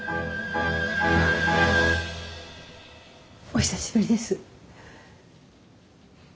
お久しぶりです。